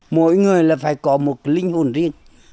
mỗi người là phải có một linh hồn riêng